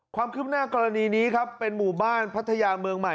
ความคืบหน้ากรณีนี้ครับเป็นหมู่บ้านพัทยาเมืองใหม่